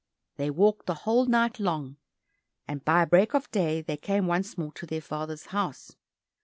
They walked the whole night long, and by break of day came once more to their father's house.